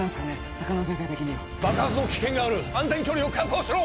高輪先生的には爆発の危険がある安全距離を確保しろ！